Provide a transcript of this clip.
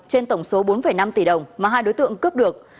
trên tổng số bốn năm tỷ đồng mà hai đối tượng cướp được